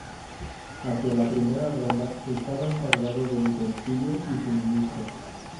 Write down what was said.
Hacía la primera ronda, estaba encargado del utensilio y suministros.